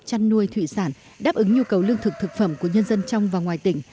chăn nuôi thủy sản đáp ứng nhu cầu lương thực thực phẩm của nhân dân trong và ngoài tỉnh